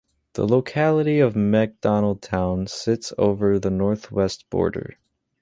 The locality of Macdonaldtown sits over the north-west border.